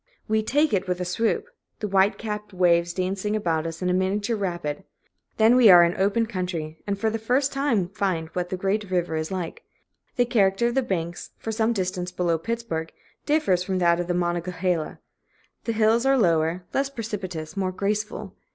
We "take" it with a swoop, the white capped waves dancing about us in a miniature rapid. Then we are in the open country, and for the first time find what the great river is like. The character of the banks, for some distance below Pittsburg, differs from that of the Monongahela. The hills are lower, less precipitous, more graceful.